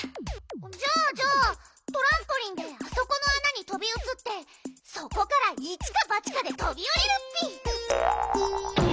じゃあじゃあトランポリンであそこのあなにとびうつってそこから一か八かでとびおりるッピ。